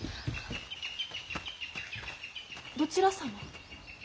どちらさま？